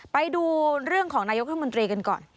ไปดูเรื่องของนายกรัฐมนตรีกันก่อน